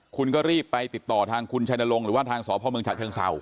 คุณก็รีบไปติดต่อทางคุณชัยนรงค์หรือว่าทางสพเมืองฉะเชิงเศร้า